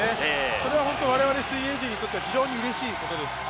それは本当、我々水泳人にとってはすごくうれしいことです。